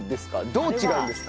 どう違うんですか？